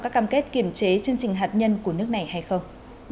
và có cam kết kiềm chế chương trình hạt nhân của nước này hay không